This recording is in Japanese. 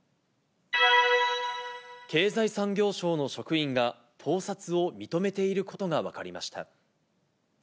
経済産業省の職員が、盗撮を認めていることが分かりました。